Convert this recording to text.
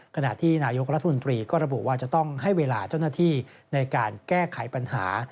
ขณะที่นายกรัฐมนตรีก็ระบุว่าจะต้องให้เวลาเจ้าหน้าที่ในการแก้ไขปัญหา